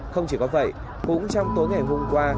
không chỉ có vậy cũng trong tối ngày hôm qua